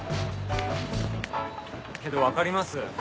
けど分かります。